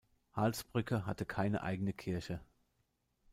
Halsbrücke hatte keine eigene Kirche.